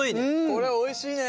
これおいしいね！